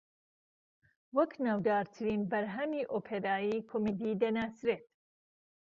وەک ناودارترین بەرهەمی ئۆپێرایی کۆمیدی دەناسرێت